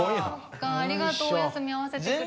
ありがとうお休み合わせてくれて。